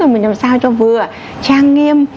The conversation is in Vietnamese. mình làm sao cho vừa trang nghiêm